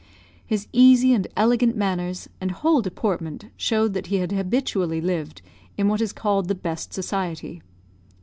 His easy and elegant manners, and whole deportment, showed that he had habitually lived in what is called the best society.